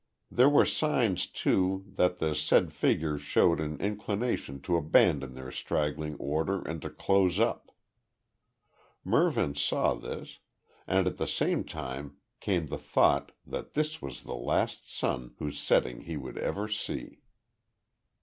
There were signs too, that the said figures showed an inclination to abandon their straggling order and to close up. Mervyn saw this and at the same time came the thought that this was the last sun whose setting he would ever see.